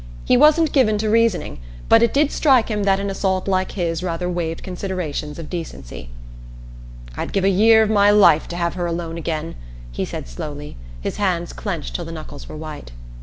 He wasn't given to reasoning, but it did strike him that an assault like his rather waived considerations of decency. "I'd give a year of my life to have her alone again," he said slowly, his hands clenched till the knuckles were white.